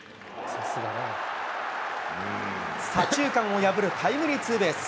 左中間を破るタイムリーツーベース。